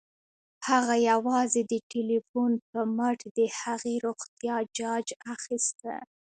هغه یوازې د ټيليفون په مټ د هغې روغتيا جاج اخيسته